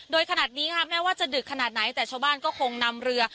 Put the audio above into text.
โดยขนาดนี้ค่ะแม้ว่าจะดึกขนาดไหนแต่ชาวบ้านก็คงนำเรือ